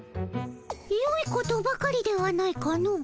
よいことばかりではないかの。